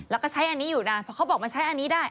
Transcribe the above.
แล้วก็ใช้อันนี้อยู่นะเพราะเขาบอกมาใช้อันนี้ได้